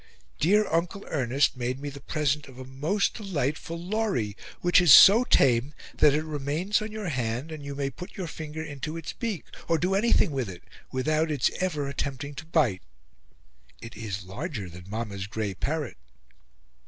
Dear Uncle Ernest made me the present of a most delightful Lory, which is so tame that it remains on your hand and you may put your finger into its beak, or do anything with it, without its ever attempting to bite. It is larger than Mamma's grey parrot."